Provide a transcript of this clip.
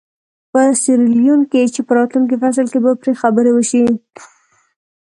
په سیریلیون کې چې په راتلونکي فصل کې به پرې خبرې وشي.